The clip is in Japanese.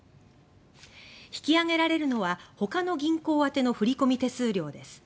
引き上げられるのは他の銀行宛ての振込手数料です。